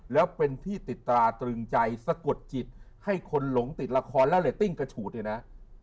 และเป็นพี่ด่าตรึงใจสะกดจิตให้คนหลงติดละครแล้วเลยติ้งกระฉูดอย่างนั้น